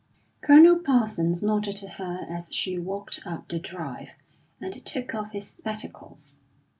Colonel Parsons nodded to her as she walked up the drive, and took off his spectacles.